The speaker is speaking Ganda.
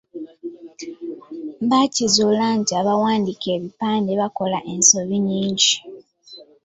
Baakizuula nti abawandiika ebipande bakola ensobi nnyingi.